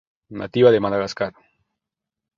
Nativa de Madagascar.